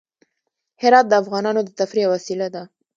هرات د افغانانو د تفریح یوه وسیله ده.